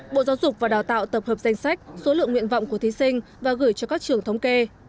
bộ giáo dục và đào tạo tập hợp danh sách số lượng nguyện vọng của thí sinh và gửi cho các trường thống kê